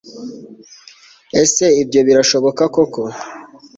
ese ibyo birashoboka koko